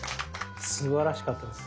すばらしかったです。